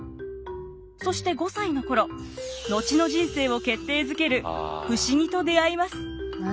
そして５歳の頃後の人生を決定づける不思議と出会います。